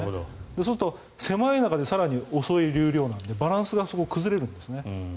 そうすると更に狭い中で遅い流量なのでバランスが崩れるんですね。